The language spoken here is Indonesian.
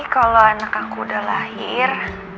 kalau anak aku udah lahir